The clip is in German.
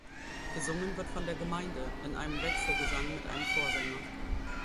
Gesungen wird von der Gemeinde, in einem Wechselgesang mit einem Vorsänger.